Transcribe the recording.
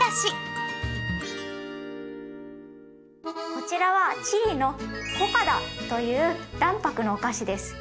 こちらはチリのコカダという卵白のお菓子です。